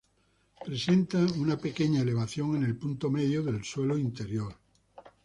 Presenta una pequeña elevación en el punto medio del suelo interior.